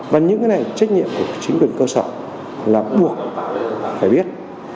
và những cái này trách nhiệm của chính quyền cơ sở là buộc phải biết